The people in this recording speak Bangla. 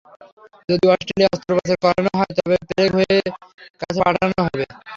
যদি অস্ট্রেলিয়ায় অস্ত্রোপচার করানো হয়, তবে গ্রেগ হয়ের কাছে পাঠানো হতে পারে।